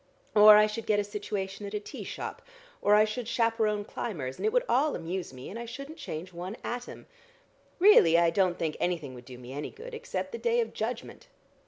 Or I should get a situation at a tea shop, or I should chaperon climbers, and it would all amuse me, and I shouldn't change one atom. Really I don't think anything would do me any good except the Day of Judgment....